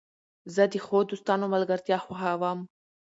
زه د ښو دوستانو ملګرتیا خوښوم.